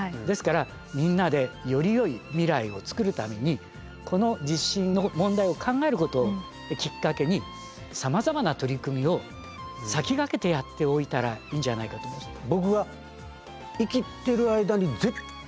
ですからみんなでよりよい未来を作るためにこの地震の問題を考えることをきっかけにさまざまな取り組みを先駆けてやっておいたらいいんじゃないかと思います。